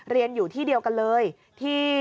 เรียนอยู่ที่เดียวกันเลยที่